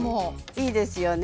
いいですよね。